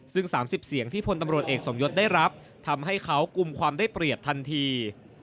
ซึ่ง๓๐เสียงที่พลตำรวจเอกสมยศได้รับทำให้เขากลุ่มความได้เปรียบทันที